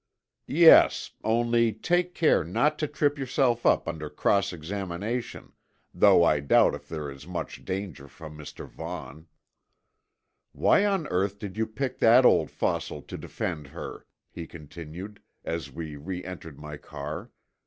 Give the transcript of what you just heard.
"Yes, only take care not to trip yourself up under cross examination, though I doubt if there is much danger from Mr. Vaughn. Why on earth did you pick that old fossil to defend her?" he continued, as we re entered my car.